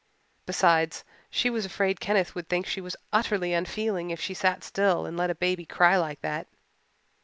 Besides, she was afraid Kenneth would think she was utterly unfeeling if she sat still and let a baby cry like that.